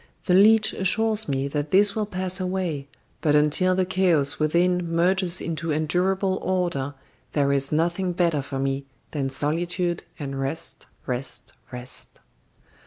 The leech assures me that this will pass away, but until the chaos within merges into endurable order there is nothing better for me than solitude and rest, rest, rest."